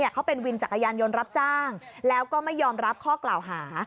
เขาเป็นวินจักรยานยนต์รับจ้างแล้วก็ไม่ยอมรับข้อกล่าวหา